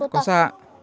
có xa ạ